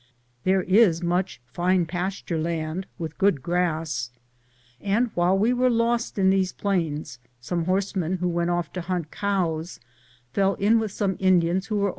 There is much very fine pasture land, with good grass. And while we were lost in these plains, some horsemen who went off to hunt cows fell in with some Indians who also